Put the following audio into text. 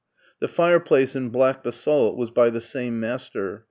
The fireplace in black basalt was by the same master.